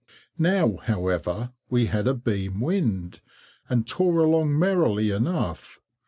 Now, however, we had a beam wind, and tore along merrily enough.